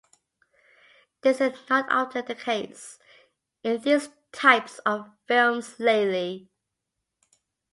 This is not often the case in these types of films lately.